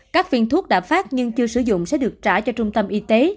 các viên thuốc đã phát nhưng chưa sử dụng sẽ được trả cho trung tâm y tế